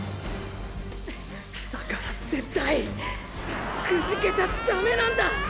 だから絶対くじけちゃダメなんだ。